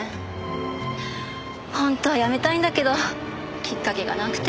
本当はやめたいんだけどきっかけがなくて。